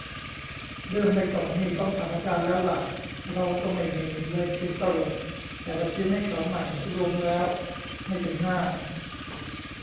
เรื่องไม่ส่งนี่ ต้องถามอาจารย์แล้วล่ะ เราก็ไม่มี เลยเขียนสรุปแต่ละชิ้นให้เขาใหม่รวมแล้วไม่ถึงหน้า